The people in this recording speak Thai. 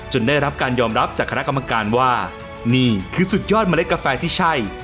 ได้รับการยอมรับจากคณะกรรมการว่านี่คือสุดยอดเมล็ดกาแฟที่ใช่